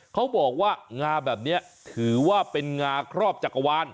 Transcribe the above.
เขาบอกว่างาแบบนี้ถือว่าเป็นงาครอบจักรวาล